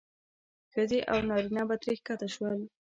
ښځې او نارینه به ترې ښکته شول.